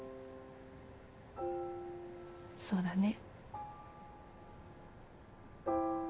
そうだね。